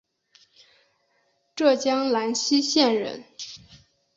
浙江兰溪县人。